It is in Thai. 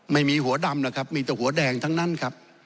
ไม่มีหัวดำหรอกครับมีแต่หัวแดงทั้งนั้นครับ